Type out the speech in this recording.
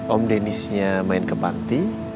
om denisnya main ke panti